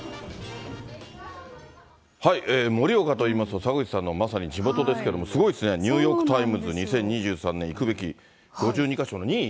盛岡といいますと、澤口さんのまさに地元ですけれども、すごいですね、ニューヨーク・タイムズ２０２３年行くべき５２か所の２位？